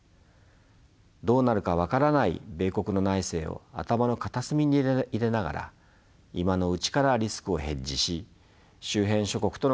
どうなるか分からない米国の内政を頭の片隅に入れながら今のうちからリスクをヘッジし周辺諸国との関係を少しずつ軌道修正しておく必要があるでしょう。